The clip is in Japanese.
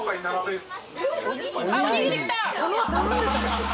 おにぎり来た。